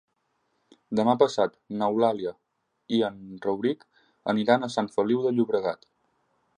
Demà passat n'Eulàlia i en Rauric aniran a Sant Feliu de Llobregat.